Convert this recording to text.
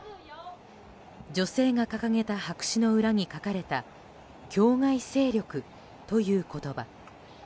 女性が掲げた白紙の裏に書かれた「境外勢力」という言葉。